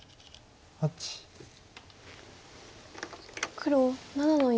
黒７の四。